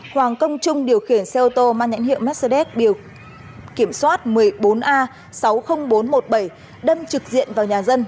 hoàng công trung điều khiển xe ô tô mang nhãn hiệu mercedes kiểm soát một mươi bốn a sáu mươi nghìn bốn trăm một mươi bảy đâm trực diện vào nhà dân